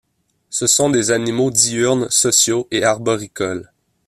Ce sont des animaux diurnes, sociaux et arboricoles.